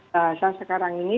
saya sekarang ini